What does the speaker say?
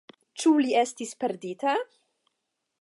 Ĉu li estis perdita?